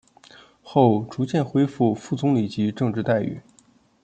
后逐渐恢复副总理级政治待遇。